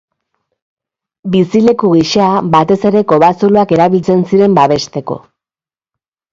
Bizileku gisa, batez ere kobazuloak erabiltzen ziren babesteko.